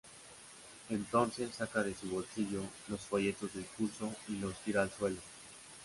Entonces saca de su bolsillo los folletos del curso y los tira al suelo.